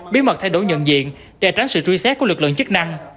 bí mật thay đổi nhận diện để tránh sự truy xét của lực lượng chức năng